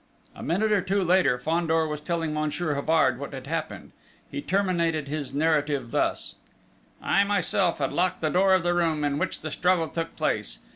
A minute or two later, Fandor was telling Monsieur Havard what had happened. He terminated his narrative thus: "I myself had locked the door of the room in which the struggle took place.